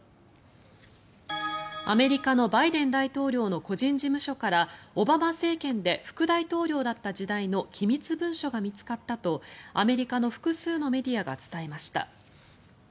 アメリカのバイデン大統領の個人事務所からオバマ政権で副大統領だった時代の機密文書が見つかったとアメリカの複数のメディアが伝えました。